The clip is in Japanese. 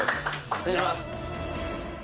お願いします。